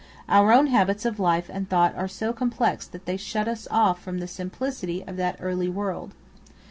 Our own habits of life and thought are so complex that they shut us off from the simplicity of that early world.